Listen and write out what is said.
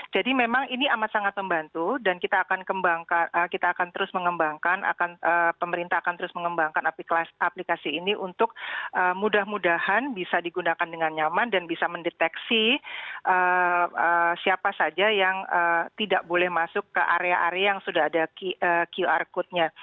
jadi memang ini amat sangat membantu dan kita akan terus mengembangkan pemerintah akan terus mengembangkan aplikasi ini untuk mudah mudahan bisa digunakan dengan nyaman dan bisa mendeteksi siapa saja yang tidak boleh masuk ke area area yang sudah ada qr code nya